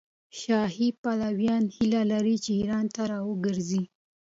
شاهي پلویان هیله لري چې ایران ته راوګرځي.